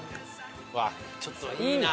うわっちょっといいな。